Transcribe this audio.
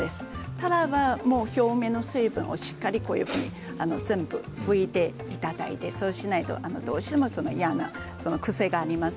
たらは表面の水分をしっかりと拭いていただいてそうしないとどうしても嫌な癖があります。